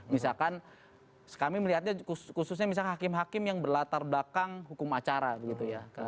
misalkan kami melihatnya khususnya misalkan hakim hakim yang berlatar belakang hukum acara begitu ya